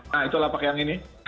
nah itu lapak yang ini